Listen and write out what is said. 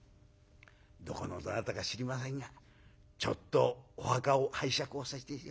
どこのどなたか知りませんがちょっとお墓を拝借をさせて頂いて。